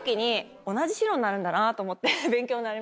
んだなぁと思って勉強になりました。